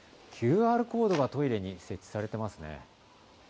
ＱＲコードがトイレに設置されていますね。